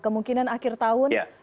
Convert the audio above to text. kemungkinan akhir tahun